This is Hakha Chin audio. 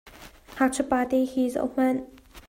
Ngakchia pate hi zoh hmanh.